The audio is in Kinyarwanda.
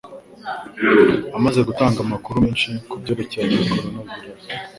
amaze gutanga amakuru menshi kubyerekeye koronavirusi.